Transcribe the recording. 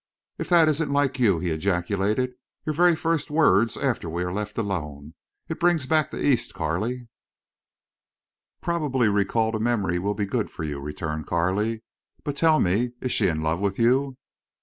"If that isn't like you!" he ejaculated. "Your very first words after we are left alone! It brings back the East, Carley." "Probably recall to memory will be good for you," returned Carley. "But tell me. Is she in love with you?"